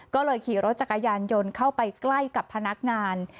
ก็เลยขี่รถจักรยานยนต์เข้าไปใกล้กับพนักงาน